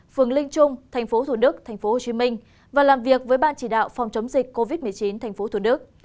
phường linh trung tp thủ đức tp hcm và làm việc với bạn chỉ đạo phòng chống dịch covid một mươi chín tp thủ đức